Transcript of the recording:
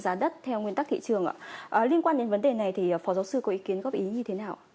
giá đất theo nguyên tắc thị trường ạ liên quan đến vấn đề này thì phó giáo sư có ý kiến góp ý như thế nào